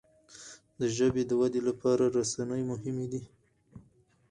د ژبي د ودې لپاره رسنی مهمي دي.